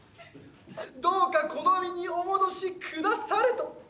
どうかこの身にお戻しくだされと。